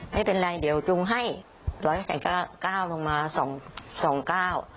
ไม่เป็นไรเดี๋ยวจุงให้หล่อยก็ก้าวลงมาสองก้าว